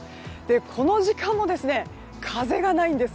この時間も、風がないんです。